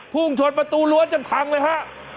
พุ่งชนประตูรั้วจนพังเลยฮะ